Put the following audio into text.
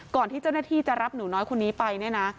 ก่อนที่เจ้าหน้าที่จะรับหนูน้อยคนนี้ไป